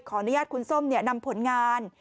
ขออนุญาตคุณส้มนำผลงาน